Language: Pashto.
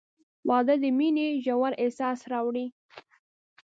• واده د مینې ژور احساس راوړي.